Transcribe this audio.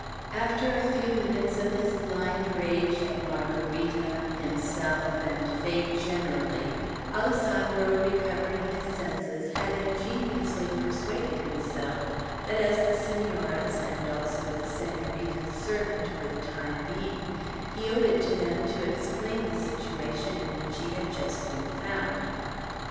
After a few minutes of his blind rage at Margarita, himself, and fate generally, Alessandro, recovering his senses, had ingeniously persuaded himself that, as the Senora's; and also the Senorita's servant, for the time being, he owed it to them to explain the situation in which he had just been found.